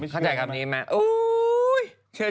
เข้าใจคำนี้ไหม